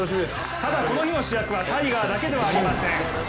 ただこの日の主役はタイガーだけではありません。